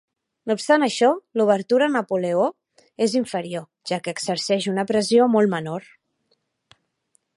No obstant això, l'obertura Napoleó és inferior, ja que exerceix una pressió molt menor.